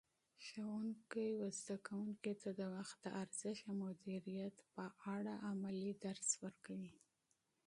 استاد شاګرد ته د وخت د ارزښت او مدیریت په اړه عملي درس ورکوي.